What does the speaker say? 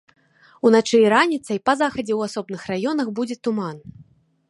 Уначы і раніцай па захадзе ў асобных раёнах будзе туман.